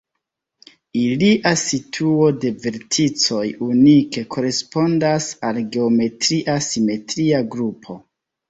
Ilia situo de verticoj unike korespondas al geometria simetria grupo.